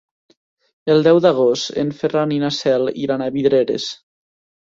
El deu d'agost en Ferran i na Cel iran a Vidreres.